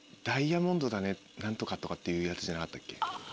「ダイヤモンドだね何とか」とかっていうやつじゃなかったっけ？